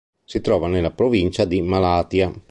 Si trova nella provincia di Malatya.